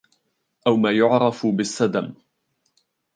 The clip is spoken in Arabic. أو ما يعرف بالسدم